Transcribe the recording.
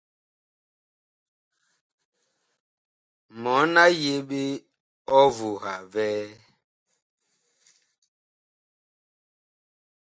Mɔɔn a yeɓe ɔvuha vɛɛ.